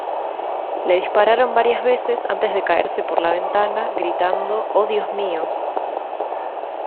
Le dispararon varias veces antes de caerse por la ventana, gritando: '¡Oh Dios mío!